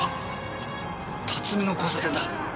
辰巳の交差点だ。